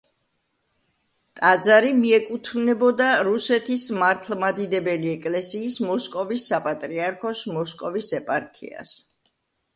ტაძარი მიეკუთვნებდა რუსეთის მართლმადიდებელი ეკლესიის მოსკოვის საპატრიარქოს მოსკოვის ეპარქიას.